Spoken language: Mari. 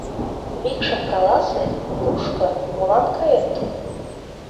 Викшым каласе: кушко, молан кает?